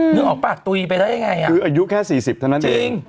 นึกออกปากตุยไปได้ยังไงอ่ะคืออายุแค่๔๐เท่านั้นเอง